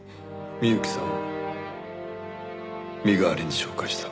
美由紀さんを身代わりに紹介した。